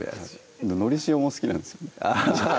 のり塩も好きなんですよね